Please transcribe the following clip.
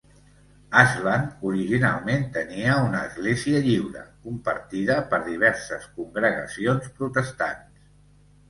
Ashland originalment tenia una Església Lliure, compartida per diverses congregacions protestants.